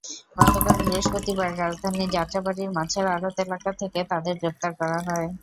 গতকাল বৃহস্পতিবার রাজধানীর যাত্রাবাড়ীর মাছের আড়ত এলাকা থেকে তাঁদের গ্রেপ্তার করা হয়।